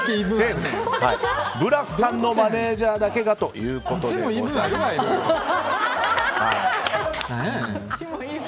ブラスさんのマネジャーだけがということでございます。